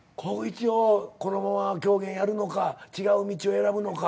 このまま狂言やるのか違う道を選ぶのか？